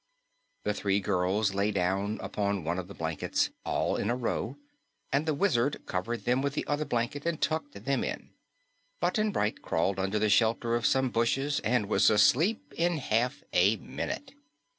The three girls lay down upon one of the blankets all in a row and the Wizard covered them with the other blanket and tucked them in. Button Bright crawled under the shelter of some bushes and was asleep in half a minute.